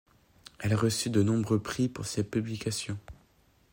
Elle a reçu de nombreux prix pour ses publications.